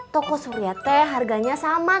toko surya teh harganya sama